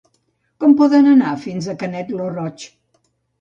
Com podem anar fins a Canet lo Roig?